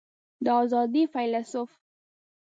د آزادۍ فیلیسوف